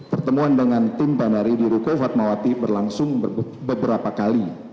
pertemuan dengan tim banari di ruko fatmawati berlangsung beberapa kali